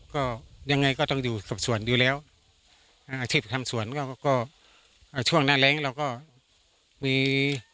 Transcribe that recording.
ก็ยังไงก็ต้องอยู่กับสวนอยู่แล้วอาชีพทำสวนก็ก็ช่วงหน้าแรงเราก็มี